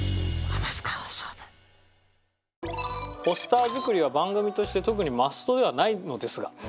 ポスター作りは番組として特にマストではないのですが。